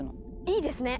いいですね！